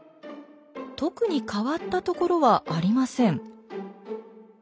特に変わったところはありません。